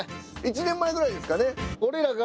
１年前ぐらいですかね。